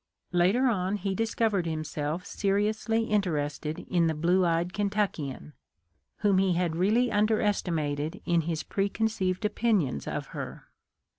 Later on he discovered himself seriously interested in the blue eyed Kentuckian, whom he had really under esti mated in his preconceived opinions of her.